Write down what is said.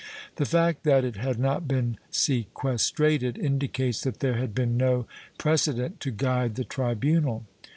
The fact that it had not been sequestrated indicates that there had been no pre cedent to guide the tribunal.